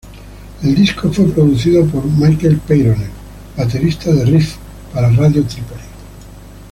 El disco fue producido por Michel Peyronel, baterista de Riff, para Radio Trípoli.